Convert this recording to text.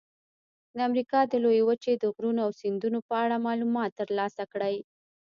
د امریکا د لویې وچې د غرونو او سیندونو په اړه معلومات ترلاسه کړئ.